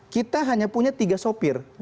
kita hanya punya tiga sopir